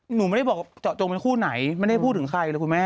หนูไม่ได้บอกเจาะจงเป็นคู่ไหนไม่ได้พูดถึงใครเลยคุณแม่